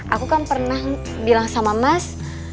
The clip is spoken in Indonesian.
aku kan pernah bilang sama mas